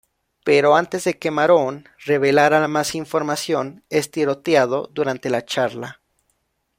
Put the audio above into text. Pero antes de que Maroon revelara más información, es tiroteado durante la charla.